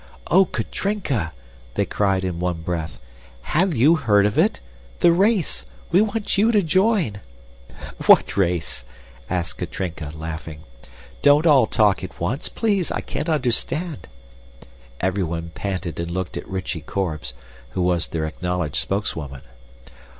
"Oh, Katrinka!" they cried in one breath, "have you heard of it? The race we want you to join!" "What race?" asked Katrinka, laughing. "Don't all talk at once, please, I can't understand." Everyone panted and looked at Rychie Korbes, who was their acknowledged spokeswoman.